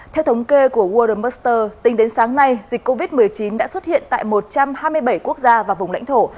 theo thống kê của world master tính đến sáng nay dịch covid một mươi chín đã xuất hiện tại một trăm hai mươi bảy quốc gia và vùng lãnh thổ